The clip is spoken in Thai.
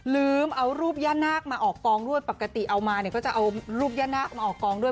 ลืมเอารูปย่านาคมาออกกองด้วยปกติเอามาเนี่ยก็จะเอารูปย่านาคมาออกกองด้วย